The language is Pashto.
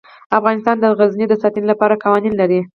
افغانستان د غزني د ساتنې لپاره قوانین لري.